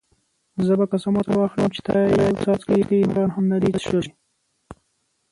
زه به قسم ورته واخلم چې تا یو څاڅکی هومره هم نه دی څښلی.